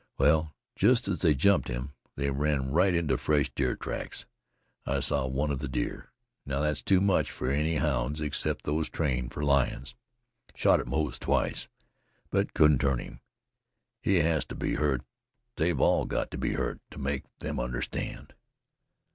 Well, just as they jumped him, they ran right into fresh deer tracks. I saw one of the deer. Now that's too much for any hounds, except those trained for lions. I shot at Moze twice, but couldn't turn him. He has to be hurt, they've all got to be hurt to make them understand."